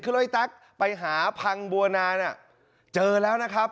คือรถไอ้แต๊กไปหาพังบัวนาน่ะเจอแล้วนะครับ